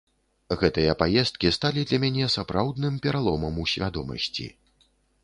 Гэтыя паездкі сталі для мяне сапраўдным пераломам у свядомасці.